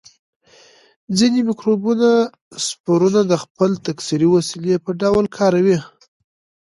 ځینې مکروبونه سپورونه د خپل تکثري وسیلې په ډول کاروي.